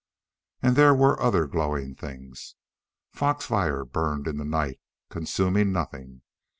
And there were other glowing things. Fox fire burned in the night, consuming nothing.